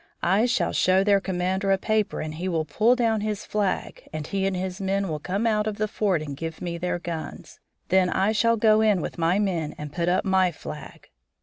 I shall show their commander a paper and he will pull down his flag and he and his men will come out of the fort and give me their guns. Then I shall go in with my men and put up my flag.